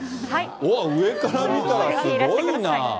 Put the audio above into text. うわっ、上から見たらすごいな。